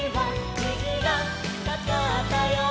「にじがかかったよ」